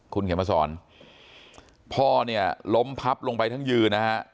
คุณเขียนมาสอนพ่อเนี่ยล้มพับลงไปทั้งยืนนะฮะ